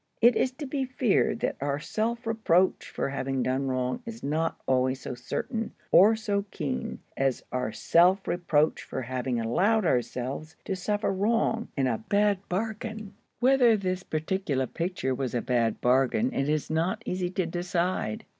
It is to be feared that our self reproach for having done wrong is not always so certain, or so keen, as our self reproach for having allowed ourselves to suffer wrong—in a bad bargain. Whether this particular picture was a bad bargain it is not easy to decide.